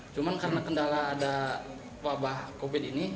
cuman karena kendala ada wabah covid ini